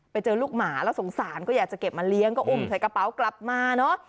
ไปเจอลูกหมาแล้วสงสารก็อยากจะเก็บมาเลี้ยงก็อุ้มใส่กระเป๋ากลับมาเนอะ